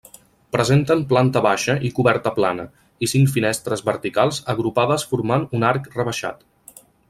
Presenten planta baixa i coberta plana, i cinc finestres verticals agrupades formant un arc rebaixat.